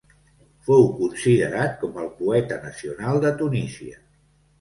Fou considerat com el poeta nacional de Tunísia.